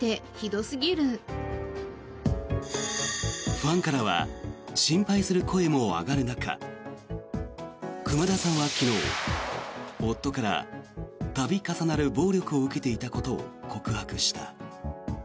ファンからは心配する声も上がる中熊田さんは昨日、夫から度重なる暴力を受けていたことを告白した。